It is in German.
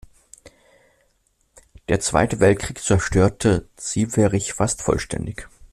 Der Zweite Weltkrieg zerstörte Zieverich fast vollständig.